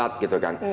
atau blood gitu kan